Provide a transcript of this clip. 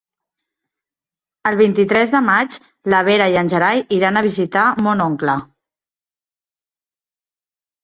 El vint-i-tres de maig na Vera i en Gerai iran a visitar mon oncle.